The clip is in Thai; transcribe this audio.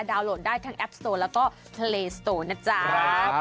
ดาวน์โหลดได้ทั้งแอปโสโตร์และก็เพลย์โสโตร์นะจ๊ะ